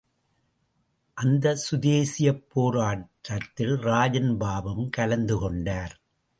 அந்த சுதேசிப் போராட்டத்தில் ராஜன் பாபுவும் கலந்து கொண்டார்.